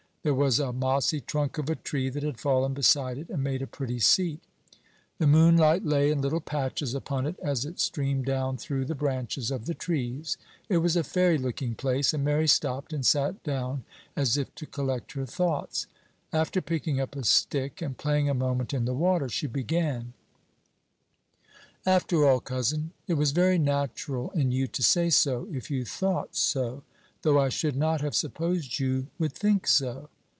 There was a mossy trunk of a tree that had fallen beside it, and made a pretty seat. The moonlight lay in little patches upon it, as it streamed down through the branches of the trees. It was a fairy looking place, and Mary stopped and sat down, as if to collect her thoughts. After picking up a stick, and playing a moment in the water, she began: "After all, cousin, it was very natural in you to say so, if you thought so; though I should not have supposed you would think so."